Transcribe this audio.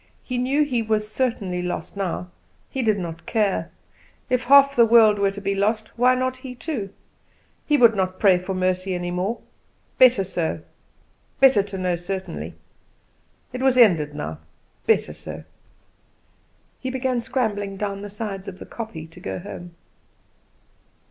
He knew he was certainly lost now; he did not care. If half the world were to be lost, why not he too? He would not pray for mercy any more. Better so better to know certainly. It was ended now. Better so. He began scrambling down the sides of the kopje to go home.